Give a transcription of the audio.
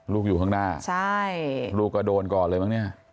ลูกอยู่ข้างหน้าลูกกระโดนก่อนเลยมั้งเนี่ยใช่